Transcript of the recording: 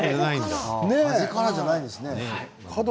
端からじゃないんですね。